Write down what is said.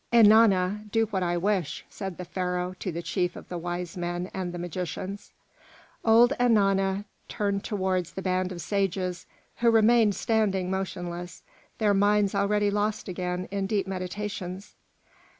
"Ennana, do what I wish," said the Pharaoh to the chief of the wise men and the magicians. Old Ennana turned towards the band of sages, who remained standing motionless, their minds already lost again in deep meditations.